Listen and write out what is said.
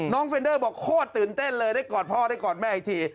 เฟรนเดอร์บอกโคตรตื่นเต้นเลยได้กอดพ่อได้กอดแม่อีกที